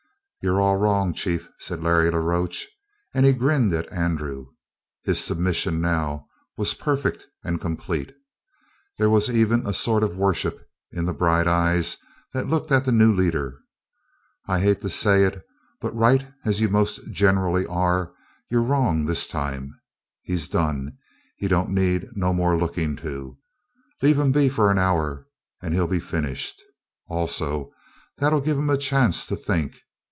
"You're all wrong, chief," said Larry la Roche, and he grinned at Andrew. His submission now was perfect and complete. There was even a sort of worship in the bright eyes that looked at the new leader. "I hate to say it, but right as you mos' gener'ly are, you're wrong this time. He's done. He don't need no more lookin' to. Leave him be for an hour and he'll be finished. Also, that'll give him a chance to think.